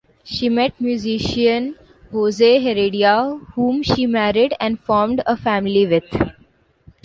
She met musician Jose Heredia, whom she married and formed a family with.